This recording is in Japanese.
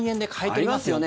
ありますよね。